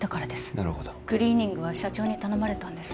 なるほどクリーニングは社長に頼まれたんです